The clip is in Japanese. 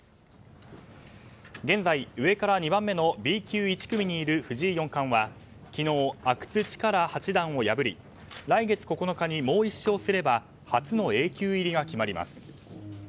現在、上から２番目のＢ級１組にいる藤井四冠は昨日、阿久津主税八段を破り来月９日にもう１勝すれば初のＡ級入りが決まります。